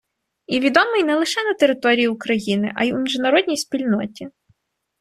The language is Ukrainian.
І відомий не лише на території України, а й у міжнародній спільноті.